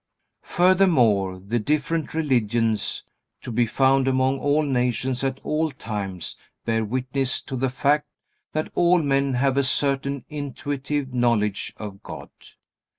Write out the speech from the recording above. Furthermore, the different religions to be found among all nations at all times bear witness to the fact that all men have a certain intuitive knowledge of God.